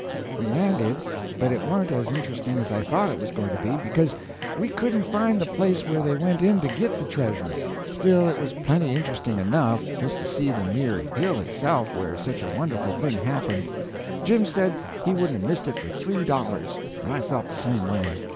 We landed, but it warn't as interesting as I thought it was going to be, because we couldn't find the place where they went in to git the treasure. Still, it was plenty interesting enough, just to see the mere hill itself where such a wonderful thing happened. Jim said he wou'dn't 'a' missed it for three dollars, and I felt the same way.